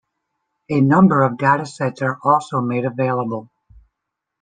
A number of datasets are also made available.